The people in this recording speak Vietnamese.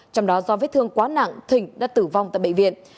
trong đó do vết thương quá nặng thịnh đã tử vong tại bệ viện